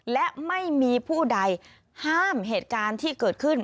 และไม่มีผู้ใดห้ามเหตุการณ์ที่เกิดขึ้น